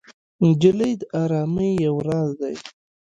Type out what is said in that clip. نجلۍ د ارامۍ یو راز دی.